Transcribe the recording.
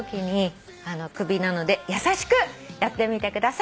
首なので優しくやってみてください！